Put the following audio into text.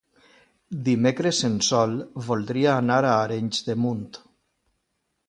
Dimecres en Sol voldria anar a Arenys de Munt.